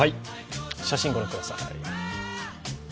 写真ご覧ください。